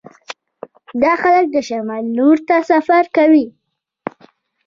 دا خلک د شمال لور ته سفر کوي